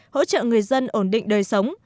hỗ trợ người dân ổn định đời sống